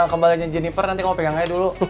kembalinya jennifer nanti mau pegang aja dulu